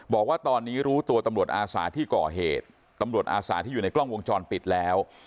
บอกว่าตอนนี้รู้ตัวตำรวจอาสาที่ก่อเหตุตำรวจอาสาที่อยู่ในกล้องวงจรปิดแล้ว